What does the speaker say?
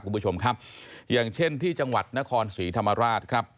คุณผู้ชมครับอย่างเช่นที่จังหวัดนครศรีธรรมราชครับ